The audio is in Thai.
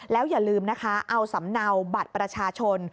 แล้วอย่าลืมนะคะเอาสำเนาบัตรประชาชน